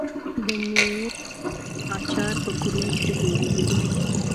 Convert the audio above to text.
د میوو اچار په کورونو کې جوړیږي.